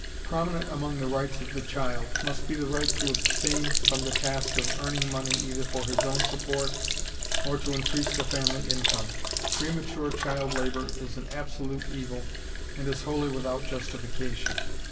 Prominent among the rights of the child must be the right to abstain from the task of earning money either for his own support or to increase the family income. Premature child labor is an absolute evil and is wholly without justification....